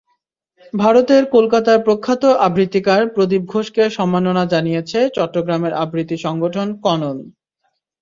ভারতের কলকাতার প্রখ্যাত আবৃত্তিকার প্রদীপ ঘোষকে সম্মাননা জানিয়েছে চট্টগ্রামের আবৃত্তি সংগঠন ক্বণন।